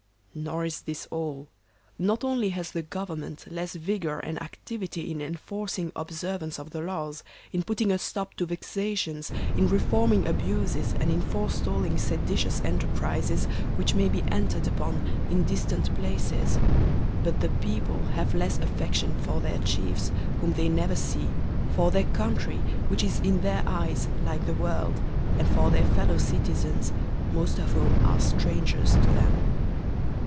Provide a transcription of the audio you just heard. Nor is this all ; not only has the government less vigor and activity in enforcing observance of the laws, in put ting a stop to vexations, in reforming abuses, and in forestalling seditious enterprises which may be entered upon in distant places, but the people have less affection for their chiefs whom they never see, for their country, which is in their eyes like the world, and for their fellow citizens, most of whom are strangers to them.